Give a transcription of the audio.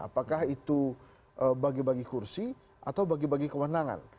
apakah itu bagi bagi kursi atau bagi bagi kewenangan